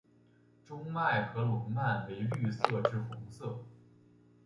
中脉和笼蔓为绿色至红色。